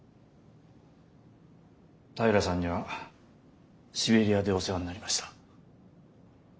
平良さんにはシベリアでお世話になりました。